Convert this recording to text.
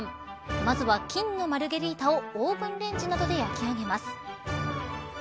まずは金のマルゲリータをオーブンレンジなどで焼き上げます。